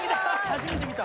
初めて見た。